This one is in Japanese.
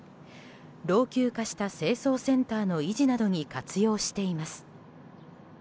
老朽化した清掃センターの維持などに活用しています。